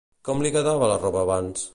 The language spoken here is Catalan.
Com li quedava la roba abans?